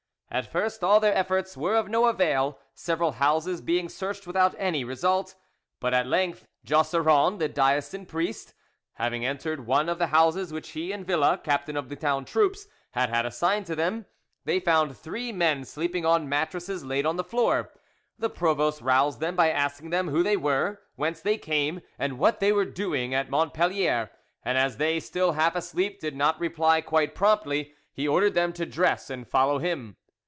At first all their efforts were of no avail, several houses being searched without any result; but at length Jausserand, the diocesan provost, having entered one of the houses which he and Villa, captain of the town troops, had had assigned to them, they found three men sleeping on mattresses laid on the floor. The provost roused them by asking them who they were, whence they came, and what they were doing at Montpellier, and as they, still half asleep, did not reply quite promptly, he ordered them to dress and follow him.